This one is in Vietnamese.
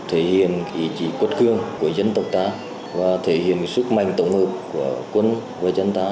thể hiện ý chí quất cương của dân tộc ta và thể hiện sức mạnh tổng hợp của quân và dân ta